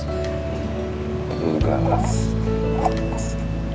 ini juga lah